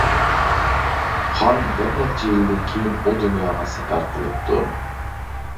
خان بىر نەچچە يىلدىن كېيىن ئۇ دۇنياغا سەپەر قىلىپتۇ.